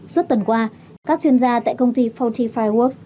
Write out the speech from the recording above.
suốt tuần qua các chuyên gia tại công ty forty fireworks